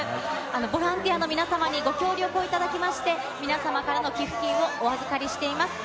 ボランティアの皆さんにご協力をいただきまして、皆様からの寄付金をお預かりしています。